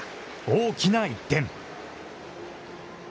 大きな１点。